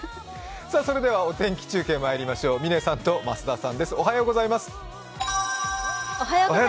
それではお天気中継まいりましょう、嶺さん、増田さん。